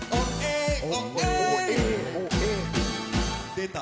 出た。